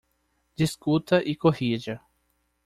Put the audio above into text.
Discuta e corrija